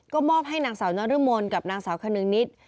ก็มอบให้นางสาวนรมนกับนางสาวคนึงนิด